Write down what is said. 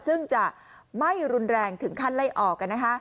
ซึ่งจะไม่รุนแรงถึงขั้นไล่ออก